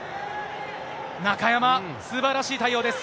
中山、すばらしい対応です。